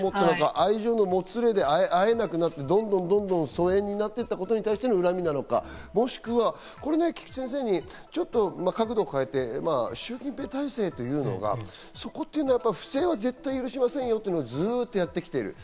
愛情のもつれで会えなくなってどんどん疎遠になっていたことに対しての恨みなのか、もしくは、これ菊地先生にちょっと角度を変えて、シュウ・キンペイ体制というのはそこというのは不正は絶対許しませんよというのはずっとやってきている。